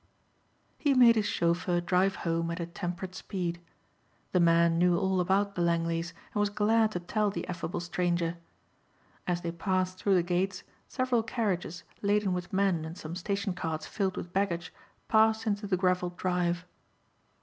He made his chauffeur drive home at a temperate speed. The man knew all about the Langleys and was glad to tell the affable stranger. As they passed through the gates several carriages laden with men and some station carts filled with baggage passed into the gravelled drive.